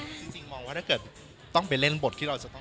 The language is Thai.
จริงมองว่าถ้าเกิดต้องไปเล่นบทที่เราจะต้อง